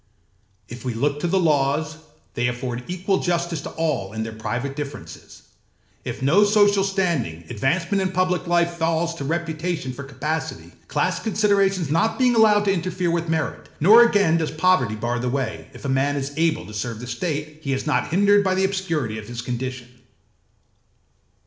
If we look to the laws, they afford equal justice to all in their private differences; if no social standing, advancement in public life falls to reputation for capacity, class considerations not being allowed to interfere with merit; nor again does poverty bar the way, if a man is able to serve the state, he is not hindered by the obscurity of his condition.